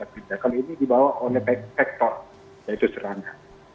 kalau ini dibawa oleh sektor yaitu serangga